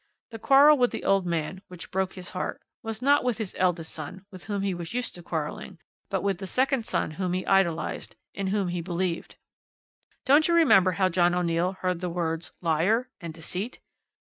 The quarrel with the old man, which broke his heart, was not with his eldest son, with whom he was used to quarrelling, but with the second son whom he idolised, in whom he believed. Don't you remember how John O'Neill heard the words 'liar' and 'deceit'?